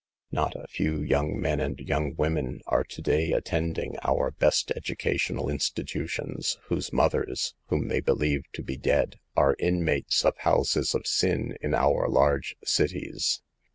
Not a few young men and young women are to day attending our best educational institutions, whose mothers (whom they believe to be dead) are inmates of houses of sin in our large cities.